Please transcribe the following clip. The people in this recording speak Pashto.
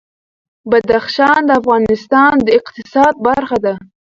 بدخشان د افغانستان د اقتصاد برخه ده.